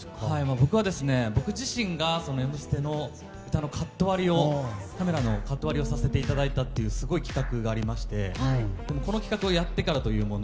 僕は、僕自身が「Ｍステ」のカメラのカット割りをさせていただいたというすごい企画がありましてこの企画をやってからというもの